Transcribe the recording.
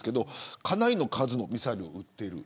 かなりの数のミサイルを撃っている。